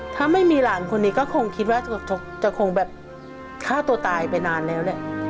ถ้าไม่มีหลานคนนี้ก็คงคิดว่าจะคงแบบฆ่าตัวตายไปนานแล้วแหละ